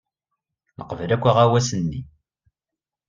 Neqbel akk aɣawas-nni.